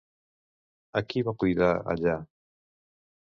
A qui va cuidar allà?